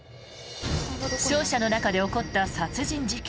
商社の中で起こった殺人事件。